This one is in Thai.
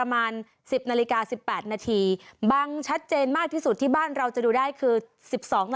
บางสิ่งชัดเจนมากที่บ้านเราจะดูได้๑๒๐๕น